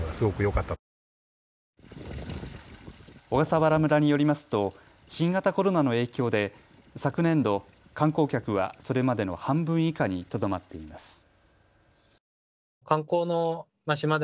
小笠原村によりますと新型コロナの影響で昨年度、観光客はそれまでの半分以下にとどまっています。